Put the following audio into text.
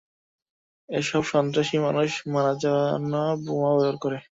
এসব সন্ত্রাসী মানুষ মারা জন্য বোমা ব্যবহার করে।